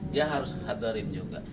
dia harus hadarin juga